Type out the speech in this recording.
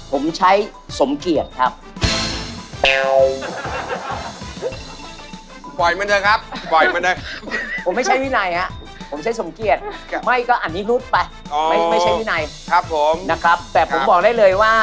คนเดียวเลย